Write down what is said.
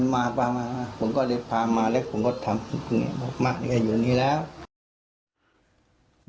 มันหลายวันพี่หิวข้าวไม่ละหลายวัน